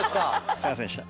すいませんでした。